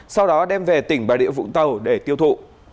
sau đó đem về tỉnh bà địa vũng tàu để tiêu thụ